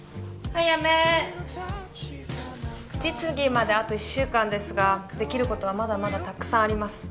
はいやめ実技まであと一週間ですができることはまだまだたくさんあります